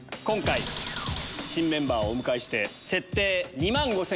今回新メンバーをお迎えして設定２万５０００円。